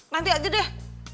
nanti aja deh